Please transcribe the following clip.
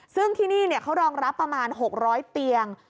ซึ่งที่นี่เขารองรับประมาณ๖๐๐เตียง